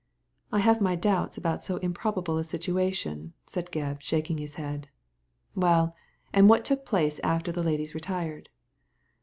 I have my doubts about so improbable a situa tion," said Gebb, shaking his head. '' Well, and what took place after the ladies retired